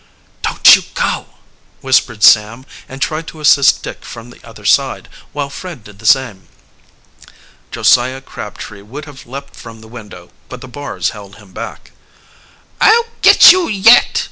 "Don't you go!" whispered Sam, and tried to assist Dick from the other side, while Fred did the same. Josiah Crabtree would have leaped from the window, but the bars held him back. "I'll get you yet!"